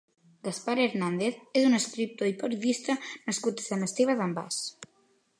Gaspar Hernàndez és un escriptor i periodista nascut a Sant Esteve d'en Bas.